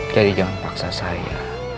jadi jangan paksa saya